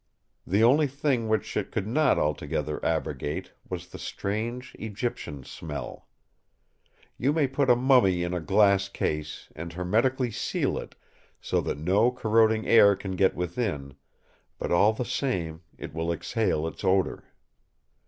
The only thing which it could not altogether abrogate was the strange Egyptian smell. You may put a mummy in a glass case and hermetically seal it so that no corroding air can get within; but all the same it will exhale its odour.